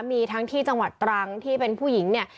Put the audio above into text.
มีทั้งที่จังหวัดตรังที่เป็นผู้หญิงเนี่ย